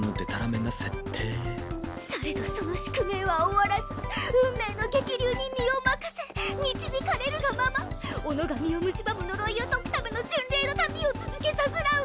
されどその宿命は終わらず運命の激流に身を任せ導かれるがまま己が身をむしばむ呪いを解くための巡礼の旅を続けさすらう